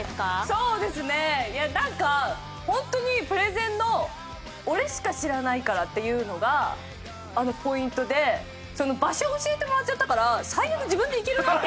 そうですねいやなんかホントにプレゼンの「俺しか知らないから」っていうのがポイントで場所教えてもらっちゃったから確かに。